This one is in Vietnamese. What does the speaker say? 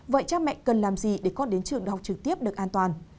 vậy cha mẹ cần làm gì để con đến trường đại học trực tiếp được an toàn